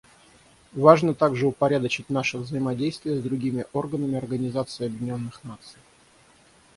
Важно также упорядочить наше взаимодействие с другими органами Организации Объединенных Наций.